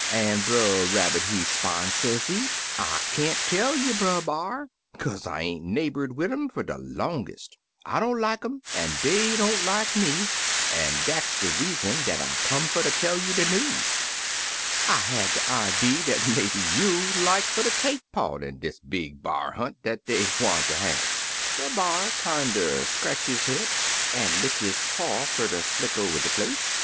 An' Brer Rabbit, he 'spon', sezee, 'I can't tell you. Brer B'ar, kaze I ain't neighbored wid um fer de longest. I don't like um, an' dey don't like me — an' dat's de reason 19 Uncle Remus Returns dat I come fer ter tell you de news. I had dc idee dat maybe you'd like fer ter take part in dis big b'ar hunt dat dey gwineter have/ Brer B'ar kinder scratch his head an* lick his paw fer ter slick over de place.